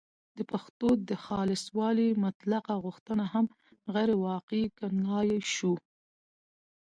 د پښتو د خالصوالي مطلقه غوښتنه هم غیرواقعي ګڼلای شو